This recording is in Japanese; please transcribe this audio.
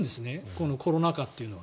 このコロナ禍というのは。